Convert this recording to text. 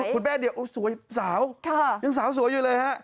คุณแม่เดียวโอ้สวยสาวยังสาวสวยอยู่เลยฮะ